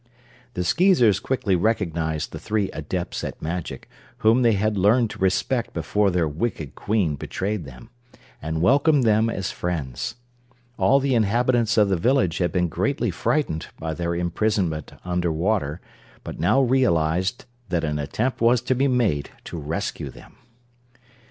The Skeezers quickly recognized the three Adepts at Magic, whom they had learned to respect before their wicked Queen betrayed them, and welcomed them as friends. All the inhabitants of the village had been greatly frightened by their imprisonment under water, but now realized that an attempt was to be made to rescue them.